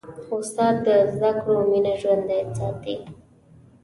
استاد د زدهکړو مینه ژوندۍ ساتي.